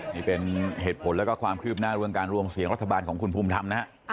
นี่เป็นเหตุผลแล้วก็ความคืบหน้าเรื่องการรวมเสียงรัฐบาลของคุณภูมิธรรมนะฮะ